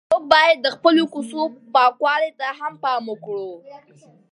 موږ باید د خپلو کوڅو پاکوالي ته هم پام وکړو.